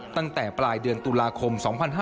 ตั้งแต่ปลายเดือนตุลาคม๒๕๕๙